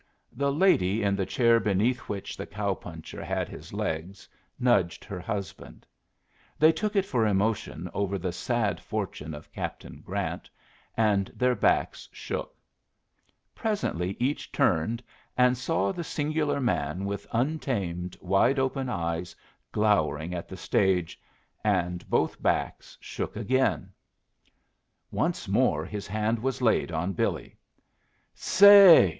The lady in the chair beneath which the cow puncher had his legs nudged her husband. They took it for emotion over the sad fortune of Captain Grant, and their backs shook. Presently each turned, and saw the singular man with untamed, wide open eyes glowering at the stage, and both backs shook again. Once more his hand was laid on Billy. "Say!"